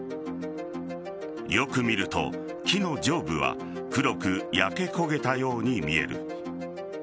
よく見ると、木の上部は黒く焼け焦げたように見える。